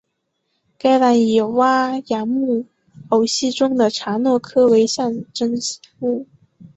该党以哇扬木偶戏中的查诺科为象征物。